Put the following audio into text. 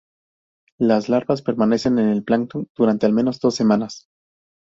Las larvas permanecen en el plancton durante al menos dos semanas.